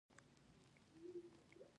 نجونې به تر هغه وخته پورې خپلو موخو ته رسیږي.